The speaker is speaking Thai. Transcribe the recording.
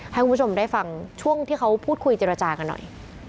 ให้คุณผู้ชมได้ฟังช่วงที่เขาพูดคุยเจรจากันหน่อย